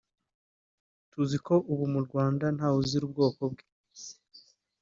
tuziko ubu mu Rwanda ntawe uzira ubwoko bwe